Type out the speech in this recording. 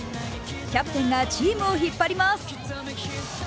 キャプテンがチームを引っ張ります。